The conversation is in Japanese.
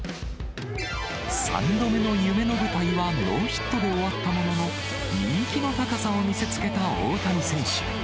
３度目の夢の舞台はノーヒットで終わったものの、人気の高さを見せつけた大谷選手。